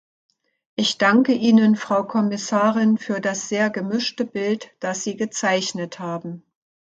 Ich danke Ihnen, Frau Kommissarin, für das sehr gemischte Bild, das Sie gezeichnet haben.